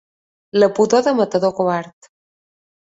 La pudor de matador covard.